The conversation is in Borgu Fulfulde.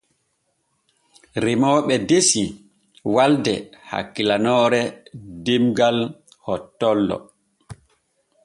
Remooɓe desi walde hakkilanoore demgal hottollo.